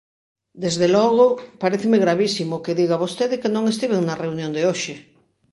Desde logo, paréceme gravísimo que diga vostede que non estiven na reunión de hoxe.